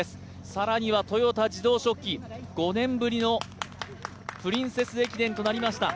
更には豊田自動織機、５年ぶりのプリンセス駅伝となりました。